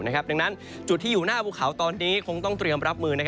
ดังนั้นจุดที่อยู่หน้าภูเขาตอนนี้คงต้องเตรียมรับมือ